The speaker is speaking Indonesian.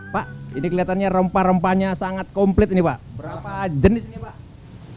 pak ini kelihatannya rempah rempahnya sangat komplit ini pak berapa jenis ini pak